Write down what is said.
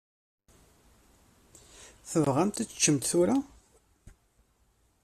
Tebɣamt ad teččemt tura?